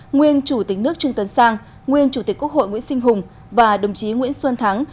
nguyên chủ tịch nước trương tấn sang nguyên chủ tịch quốc hội nguyễn sinh hùng và đồng chí nguyễn xuân thắng